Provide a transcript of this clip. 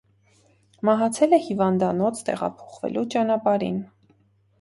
Մահացել է հիվանդանոց տեղափոխվելու ճանապարհին։